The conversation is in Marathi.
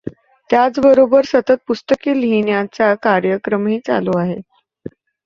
त्याच बरोबर सतत पुस्तके लिहिण्याचा कार्यक्रमही चालू आहे.